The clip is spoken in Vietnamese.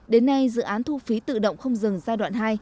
đến nay dự án thu phí tự động không dừng giai đoạn hai